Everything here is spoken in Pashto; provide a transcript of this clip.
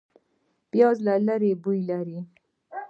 پیاز له لرې بوی لري